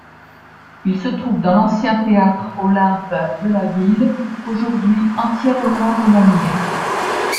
Il se trouve dans l'ancien théâtre Olympe de la ville, aujourd'hui entièrement remanié.